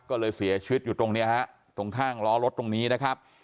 ก็เลยเสียชีวิตอยู่ตรงเนี้ยฮะตรงข้างล้อรถตรงนี้นะครับ